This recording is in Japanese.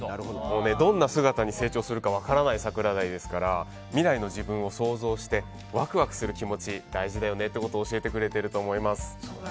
どんな姿に成長するか分からないサクラダイですから未来の自分を想像してワクワクする気持ち大事だよねってことを教えてくれていると思います。